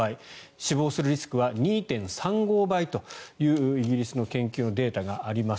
死亡するリスクは２．３５倍というイギリスの研究のデータがあります。